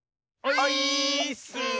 オイーッス！